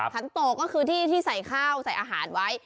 ขันโตก็คือที่ที่ใส่ข้าวใส่อาหารไว้